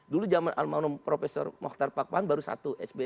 dulu zaman al ma'unum profesor mohtar pakpahan baru satu sbi